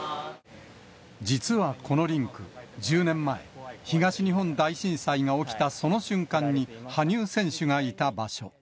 実はこのリンク、１０年前、東日本大震災が起きたその瞬間に、羽生選手がいた場所。